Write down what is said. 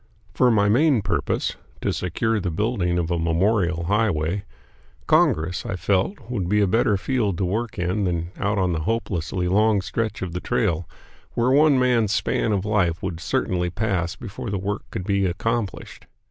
For my main purpose to secure the building of a memorial highway Congress, I felt, would be a better field to work in than out on the hopelessly long stretch of the trail, where one man's span of life would certainly pass before the work could be accomplished.